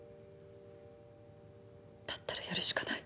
だったらやるしかない。